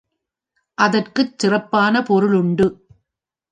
அதற்குச் சிறப்பான பொருள் உண்டு.